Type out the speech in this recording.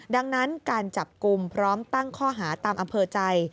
ดังนั้นการจับกลุ่มพร้อมตั้งข้อหาตามอำเภอใจ